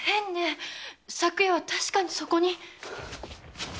昨夜は確かにそこに。